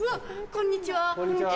こんにちは。